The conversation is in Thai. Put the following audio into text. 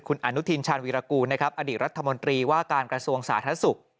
คุณอนุทินชาญวีรกูลนะครับอดีตรัฐมนตรีว่าการกระทรวงสาธารณสุข